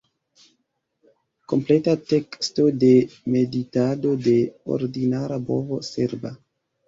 Kompleta teksto de "Meditado de ordinara bovo serba"